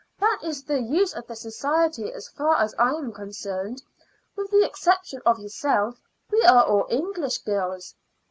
That is the use of the society as far as I am concerned. With the exception of yourself we are all English girls."